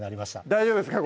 大丈夫ですか？